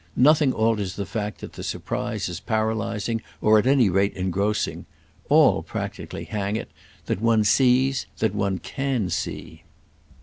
Nothing alters the fact that the surprise is paralysing, or at any rate engrossing—all, practically, hang it, that one sees, that one can see."